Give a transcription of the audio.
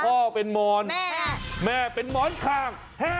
พ่อเป็นมอนแม่เป็นม้อนข้าง